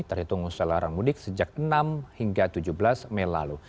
terhitung usai larang mudik sejak enam hingga tujuh belas mei lalu